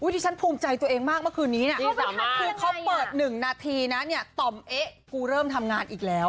ที่ฉันภูมิใจตัวเองมากเมื่อคืนนี้คือเขาเปิด๑นาทีนะเนี่ยต่อมเอ๊ะกูเริ่มทำงานอีกแล้ว